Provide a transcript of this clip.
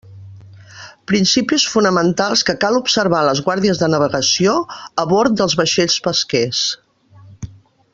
Principis fonamentals que cal observar en les guàrdies de navegació a bord dels vaixells pesquers.